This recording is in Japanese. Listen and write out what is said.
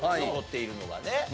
残っているのがね。